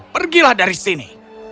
pergilah dari sini